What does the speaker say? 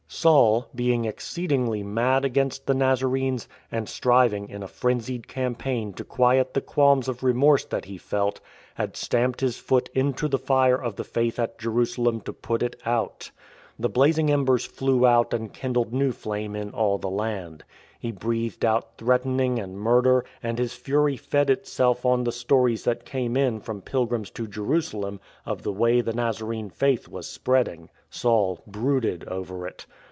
Saul, being exceedingly mad against the Nazarenes, and striving in a frenzied' campaign to quiet the qualms of remorse that he felt, had stamped his foot into the fire of the Faith at Jerusalem to put it out. The blazing embers flew out and kindled new flame in all the land. He breathed out threatening and murder, and his fury fed itself on the stories that came in from pilgrims to Jerusalem of the way the Nazarene faith was spreading. Saul brooded over it.